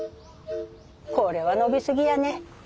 これは伸び過ぎやね。